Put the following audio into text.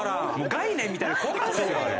概念みたいな怖かったですよあれ。